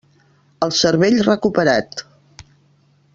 El cervell recuperat.